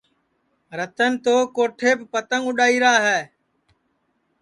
رتن تو چھتاپ پتنٚگ اُڈؔائیرا ہے